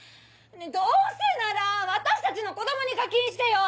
どうせなら私たちの子供に課金してよ！